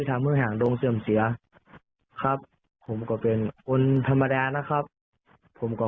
ทำให้หางดงเสื่อมเสียครับผมก็เป็นคนธรรมดานะครับผมก็